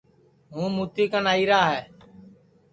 ہوں مُتی کن آئیرا ہے